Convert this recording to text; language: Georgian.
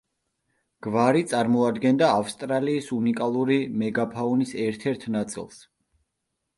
გვარი წარმოადგენდა ავსტრალიის უნიკალური მეგაფაუნის ერთ-ერთ ნაწილს.